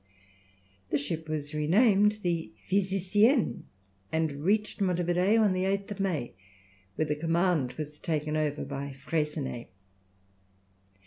The ship was renamed the Physicienne, and reached Monte Video on the 8th of May, where the command was taken over by Freycinet.